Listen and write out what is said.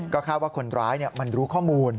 ก็คาดว่าคนร้ายมันรู้ข้อมูล